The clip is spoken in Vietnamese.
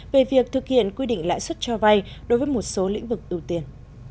về việc thực hiện quy định lãi xuất cho vay đối với một số lĩnh vực tù tiền